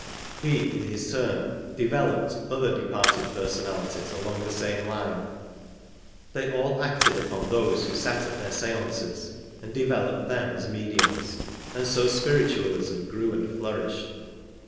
He in his turn " developed " other departed personalities along the same line, they all acted upon those who sat at their seances, and " developed " them as mediums ; and so spiritualism grew and flourished.